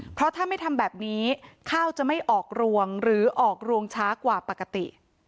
เพราะถ้าไม่ทำแบบนี้ข้าวจะไม่ออกรวงหรือออกรวงช้ากว่าปกติ